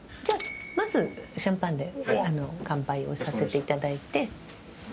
じゃまずシャンパンで乾杯をさせていただいて。